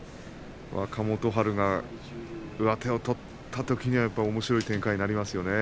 若元春が上手を取ったときにおもしろい展開になりますよね。